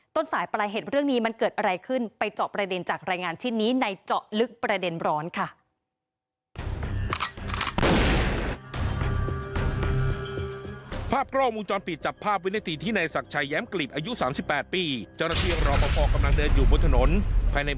ต้นสายปลายเหตุเรื่องนี้มันเกิดอะไรขึ้นไปเจาะประเด็นจากรายงานชิ้นนี้ในเจาะลึกประเด็นร้อนค่ะ